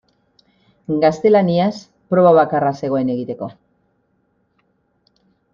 Gaztelaniaz proba bakarra zegoen egiteko.